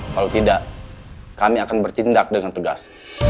kalau tidak kami akan bertindak dengan tegas